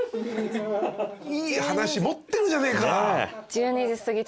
いい話持ってるじゃねえか。